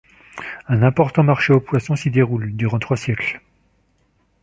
Un important marché aux poissons s'y déroule, durant trois siècles.